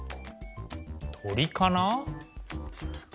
鳥かな？